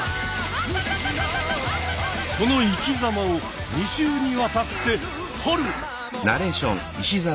その生きざまを２週にわたって掘る！